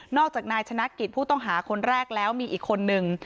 จากนายชนะกิจผู้ต้องหาคนแรกแล้วมีอีกคนนึง